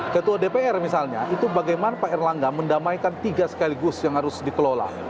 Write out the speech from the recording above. ketua dpr misalnya itu bagaimana pak erlangga mendamaikan tiga sekaligus yang harus dikelola